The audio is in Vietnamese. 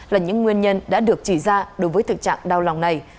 là những nguyên nhân đã được chỉ ra đối với thực trạng đau lòng này